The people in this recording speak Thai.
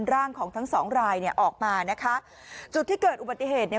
ร่างของทั้งสองรายเนี่ยออกมานะคะจุดที่เกิดอุบัติเหตุเนี่ย